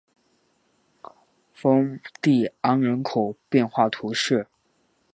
丰蒂安人口变化图示